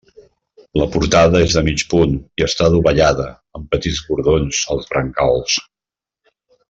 La portada és de mig punt i està adovellada, amb petits bordons als brancals.